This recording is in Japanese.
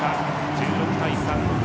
１６対３。